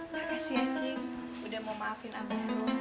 makasih ya cik udah mau maafin aku